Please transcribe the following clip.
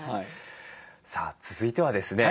さあ続いてはですね